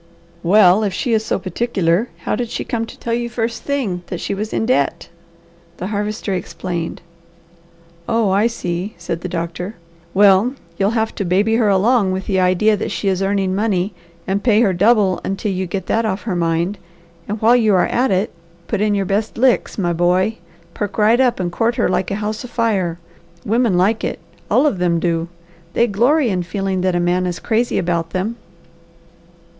"Well if she is so particular, how did she come to tell you first thing that she was in debt?" The Harvester explained. "Oh I see!" said the doctor. "Well you'll have to baby her along with the idea that she is earning money and pay her double until you get that off her mind, and while you are at it, put in your best licks, my boy; perk right up and court her like a house afire. Women like it. All of them do. They glory in feeling that a man is crazy about them."